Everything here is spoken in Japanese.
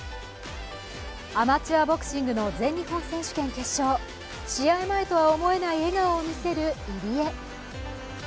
アマチュアボクシングの全日本選手権決勝試合前とは思えない笑顔を見せる入江。